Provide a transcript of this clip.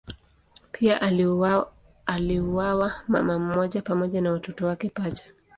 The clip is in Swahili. Pia aliuawa mama mmoja pamoja na watoto wake pacha.